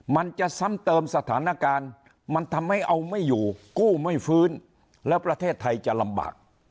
มันจะซ้ำเติมสถานการณ์มันทำให้เอาไม่อยู่กู้ไม่ฟื้นแล้วประเทศไทยจะลำบาก